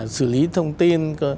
xử lý thông tin